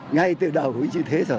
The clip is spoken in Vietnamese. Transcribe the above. ngay từ đầu cũng như thế rồi